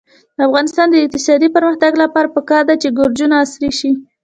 د افغانستان د اقتصادي پرمختګ لپاره پکار ده چې ګراجونه عصري شي.